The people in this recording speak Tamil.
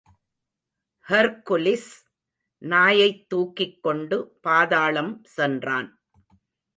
ஹெர்க்குலிஸ் நாயைத் தூக்கிக்கொண்டு பாதாளம் சென்றான்.